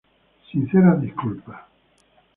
Sinceras disculpas".